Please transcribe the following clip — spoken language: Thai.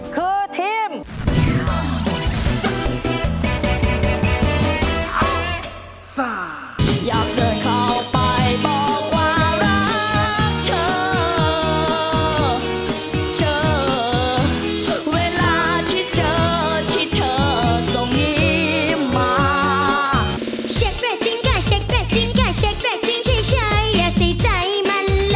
คือทีม